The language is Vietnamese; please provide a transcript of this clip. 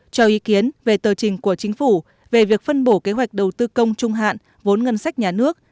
cho ý kiến về tờ trình của chính phủ về việc phân bổ kế hoạch đầu tư công trung hạn vốn ngân sách nhà nước